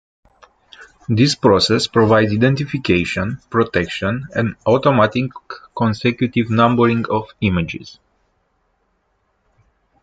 This process provides identification, protection, and automatic consecutive numbering of the images.